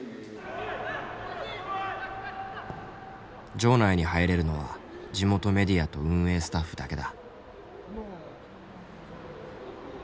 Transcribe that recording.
場内に入れるのは地元メディアと運営スタッフだけだ。